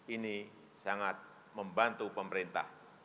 ini sangat membantu pemerintah